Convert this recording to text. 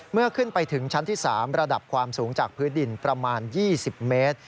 เมื่อขึ้นไปถึงชั้นที่๓ระดับความสูงจากพื้นดินประมาณ๒๐เมตร